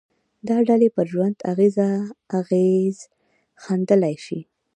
دا ډلې پر ژوند اغېز ښندلای شي